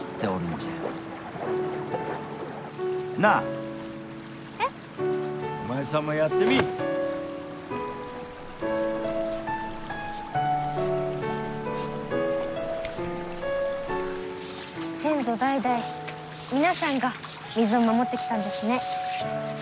先祖代々皆さんが水を守ってきたんですね。